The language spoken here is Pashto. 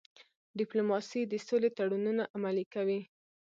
ډيپلوماسي د سولې تړونونه عملي کوي.